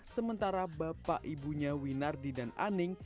sementara bapak ibunya winardi dan aning